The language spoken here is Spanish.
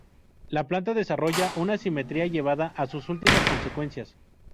La planta desarrolla una simetría llevada a sus últimas consecuencias.